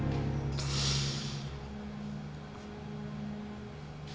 jauhkan dia dari malapetaka